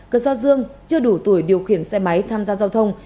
cần so dương chưa đủ tuổi điều khiển xe máy tham gia giao thông